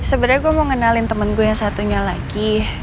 sebenarnya gue mau ngenalin temen gue yang satunya lagi